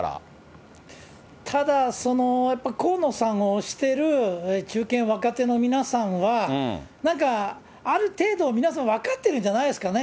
ただ、やっぱ河野さんを推してる中堅若手の皆さんは、なんか、ある程度、皆さん、分かってるんじゃないですかね。